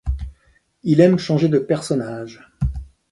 Il aime changer de personnage.